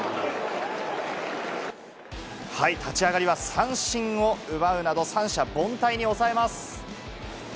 立ち上がりは三振を奪うなど、三者凡退に抑えます。